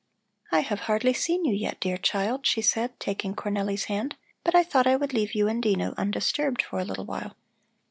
"I have hardly seen you yet, dear child," she said, taking Cornelli's hand, "but I thought I would leave you and Dino undisturbed for a little while.